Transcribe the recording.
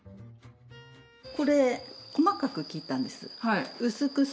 これ細かく切ったんです。